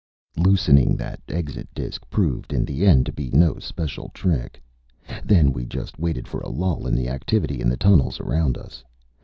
Loosening that exit disc proved in the end to be no special trick. Then we just waited for a lull in the activity in the tunnels around us.